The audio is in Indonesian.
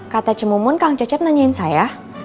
kata cimumun kang cecep nanyain saya